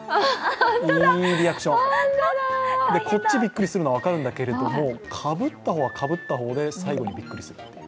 こっち、びっくりするのは分かるんだけどかぶった方はかぶった方で最後にびっくりする。